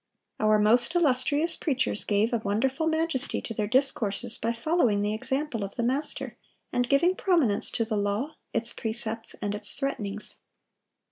Our most illustrious preachers gave a wonderful majesty to their discourses by following the example of the Master, and giving prominence to the law, its precepts, and its threatenings.